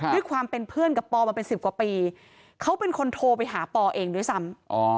ด้วยความเป็นเพื่อนกับปอมาเป็น๑๐กว่าปีเขาเป็นคนโทรไปหาปอเองด้วยซ้ำ